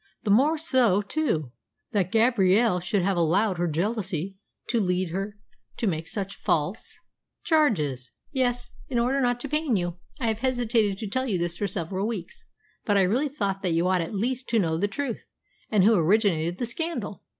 "The more so, too, that Gabrielle should have allowed her jealousy to lead her to make such false charges." "Yes. In order not to pain you. I have hesitated to tell you this for several weeks. But I really thought that you ought at least to know the truth, and who originated the scandal.